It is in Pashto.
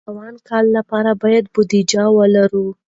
د روان کال لپاره باید بودیجه ولرو.